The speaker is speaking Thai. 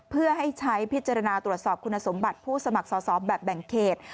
เพื่อให้ใช้พิจารณาตรวจสอบคุณสมบัติผู้สมัครสอบแบบแบ่งเขต